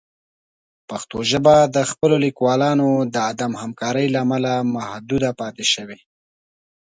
پښتو ژبه د خپلو لیکوالانو د عدم همکارۍ له امله محدود پاتې شوې.